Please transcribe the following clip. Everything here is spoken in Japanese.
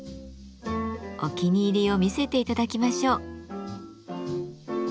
お気に入りを見せていただきましょう。